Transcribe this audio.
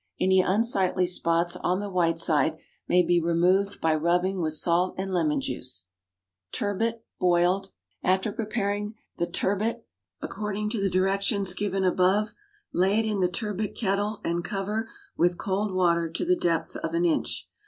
Any unsightly spots on the white side may be removed by rubbing with salt and lemon juice. =Turbot, Boiled.= After preparing the turbot according to the directions given above, lay it in the turbot kettle and cover with cold water to the depth of an inch.